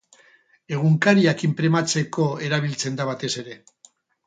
Egunkariak inprimatzeko erabiltzen da batez ere.